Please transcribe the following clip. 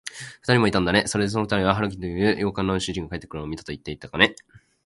ふたりもいたんだね。それで、そのふたりは、春木という洋館の主人が帰ってくるのを見たといっていたかね。